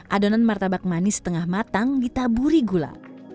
adonan martabak manis setengah matang ditaburi gula